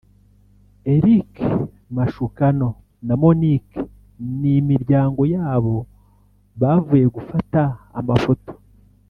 Eric Mashukano na Monique n’imiryango yabo bavuye gufata amafoto